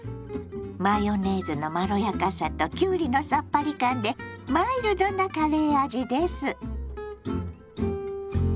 ⁉マヨネーズのまろやかさときゅうりのさっぱり感でマイルドなカレー味です。